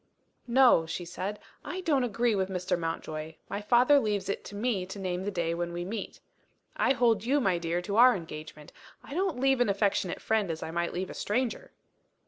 "No," she said, "I don't agree with Mr. Mountjoy. My father leaves it to me to name the day when we meet. I hold you, my dear, to our engagement I don't leave an affectionate friend as I might leave a stranger."